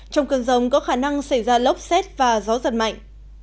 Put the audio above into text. trong cơn rông có khả năng xảy ra lốc xét và gió giật mạnh